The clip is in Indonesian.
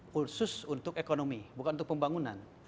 khusus untuk ekonomi bukan untuk pembangunan